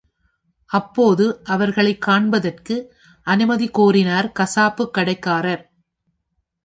அப்பொழுது அவர்களைக் காண்பதற்கு அனுமதி கோரினார் கசாப்புக் கடைக்காரர்.